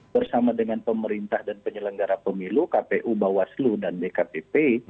bersama dengan pemerintah dan penyelenggara pemilu kpu bawaslu dan dkpp